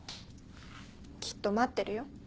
きっと待ってるよ。